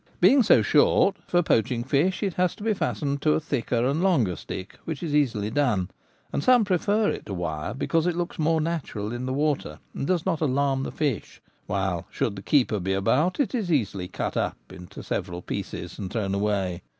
Being so short, for poaching fish it has to be fastened to a thicker and longer stick, which is easily done; and some prefer it to wire because it looks more natural in the water and does not alarm the fish, while, should the keeper be about, it is easily cut up in several pieces and thrown away.